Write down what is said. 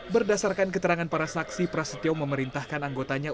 berdasarkan keterangan para saksi prasetyo memerintahkan anggotanya